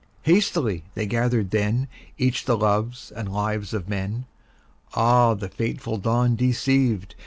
Hastily they gathered then Each the loves and lives of men. Ah, the fateful dawn deceived!